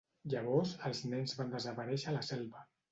Llavors, els nens van desaparèixer a la selva.